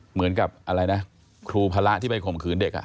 เหมือนกับครูพระที่ไปข่มคืนเด็ก